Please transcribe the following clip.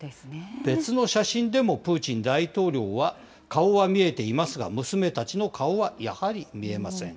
別の写真でもプーチン大統領は、顔は見えていますが、娘たちの顔はやはり見えません。